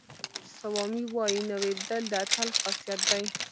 سوامي وایي نه وېرېدل د اتل خاصیت دی.